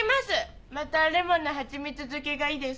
またレモンのはちみつ漬けがいいですか？